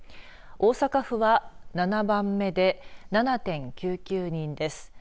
大阪府は７番目で７．９９人です。